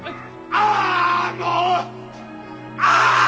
ああもう！